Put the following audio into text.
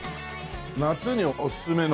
夏におすすめの。